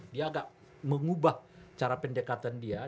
dia agak mengubah cara pendekatan dia